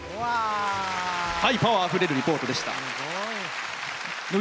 パワーあふれるリポートでした。